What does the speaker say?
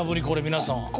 これ皆さん。